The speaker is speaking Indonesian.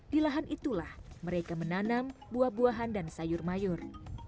di lahan itulah mereka menanam buah buahan dan sayur mayur